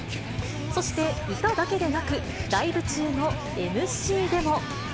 そして、歌だけでなく、ライブ中のＭＣでも。